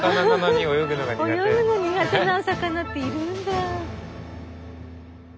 泳ぐの苦手なお魚っているんだ。